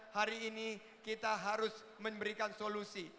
hari ini kita harus memberikan solusi